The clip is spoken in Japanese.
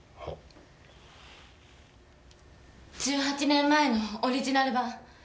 １８年前のオリジナル版。